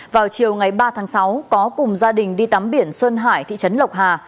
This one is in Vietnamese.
vào chiều ngày ba tháng sáu có cùng gia đình đi tắm biển xuân hải thị trấn lộc hà